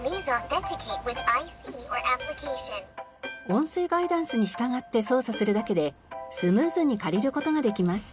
音声ガイダンスに従って操作するだけでスムーズに借りる事ができます。